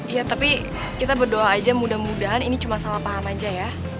ya tapi kita berdoa aja mudah mudahan ini cuma salah paham aja ya